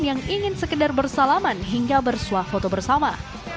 yang ingin sekedar bersalaman hingga bersuah foto bersama